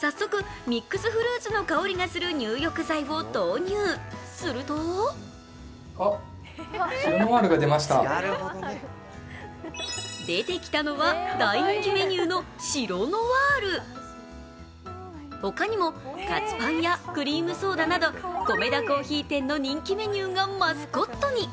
早速、ミックスフルーツの香りがする入浴剤を投入、すると出てきたのは大人気メニューのシロノワール他にも、カツパンやクリームソーダなどコメダ珈琲店の人気メニューがマスコットに。